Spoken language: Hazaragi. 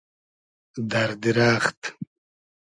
دئر دیرئخت